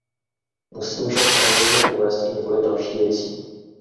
Musím však samozřejmé uvést i několik dalších věcí.